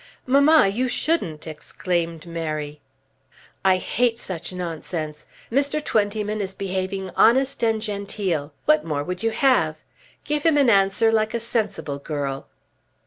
"Mamma, you shouldn't!" exclaimed Mary. "I hate such nonsense. Mr. Twentyman is behaving honest and genteel. What more would you have? Give him an answer like a sensible girl."